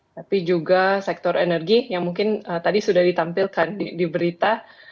tapi juga sektor energi yang mungkin tadi sudah ditampilkan di berita